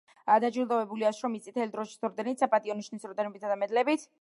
დაჯილდოებულია შრომის წითელი დროშის ორდენით, „საპატიო ნიშნის“ ორდენითა და მედლებით.